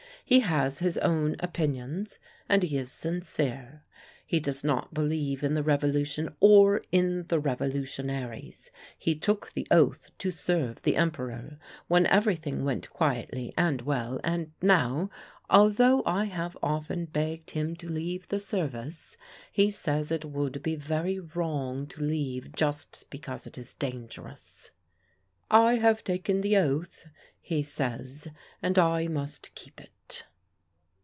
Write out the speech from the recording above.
He has his own opinions and he is sincere. He does not believe in the revolution or in the revolutionaries. He took the oath to serve the Emperor when everything went quietly and well, and now, although I have often begged him to leave the Service, he says it would be very wrong to leave just because it is dangerous. 'I have taken the oath,' he says, 'and I must keep it.